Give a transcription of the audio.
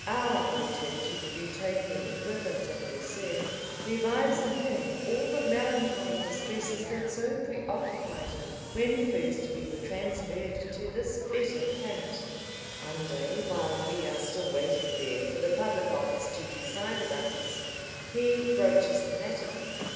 Our return to the Utopian equivalent of Lucerne revives in him all the melancholy distresses that so preoccupied him when first we were transferred to this better planet. One day, while we are still waiting there for the public office to decide about us, he broaches the matter.